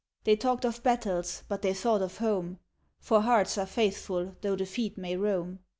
They talked of battles, but they thought of home (For hearts are faithful though the feet may roam).